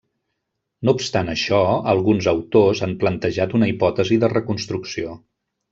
No obstant això, alguns autors han plantejat una hipòtesi de reconstrucció.